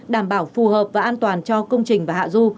đảm bảo phù hợp và an toàn cho công trình và hạ du